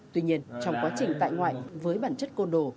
tuy nhiên trong quá trình tại ngoại với bản chất côn đồ